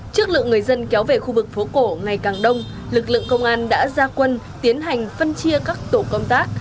trước lượng người dân kéo về khu vực phố cổ ngày càng đông lực lượng công an đã ra quân tiến hành phân chia các tổ công tác